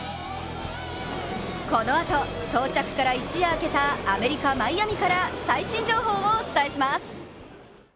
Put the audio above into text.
このあと、到着から一夜明けたアメリカ・マイアミから最新情報をお伝えします。